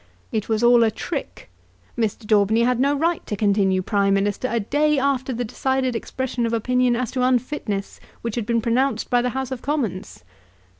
It was all a trick. Mr. Daubeny had no right to continue Prime Minister a day after the decided expression of opinion as to unfitness which had been pronounced by the House of Commons.